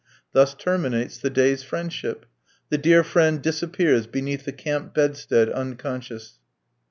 Thus terminates the day's friendship. The dear friend disappears beneath the camp bedstead unconscious.